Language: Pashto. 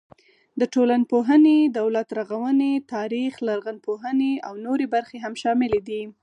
د ټولنپوهنې، دولت رغونې، تاریخ، لرغونپوهنې او نورې برخې هم شاملې دي.